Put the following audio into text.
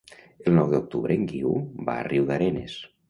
El nou d'octubre en Guiu va a Riudarenes.